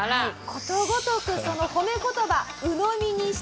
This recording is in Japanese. ことごとくその褒め言葉鵜呑みにしてしまいました。